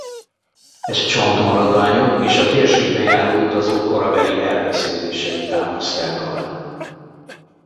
Ezt csontmaradványok és a térségben járó utazó korabeli elbeszélései támasztják alá.